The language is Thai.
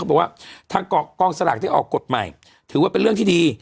บอกว่าทางกองสลากที่ออกกฎใหม่ถือว่าเป็นเรื่องที่ดี